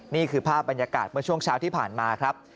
นี่คือภาพบรรยากาศเมื่อช่วงเช้าที่ผ่านมาครับ